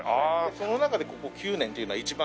その中でここ９年っていうのは一番長く。